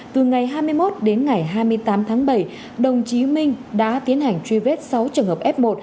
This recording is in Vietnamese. từ ngày hai mươi một đến ngày hai mươi tám tháng bảy đồng chí minh đã tiến hành truy vết sáu trường hợp f một